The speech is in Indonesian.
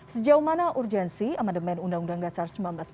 sejauh mana urgensi amandemen undang undang dasar seribu sembilan ratus empat puluh